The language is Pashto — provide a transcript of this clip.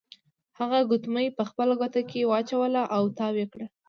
هغه ګوتمۍ په خپله ګوته کې واچوله او تاو یې کړه.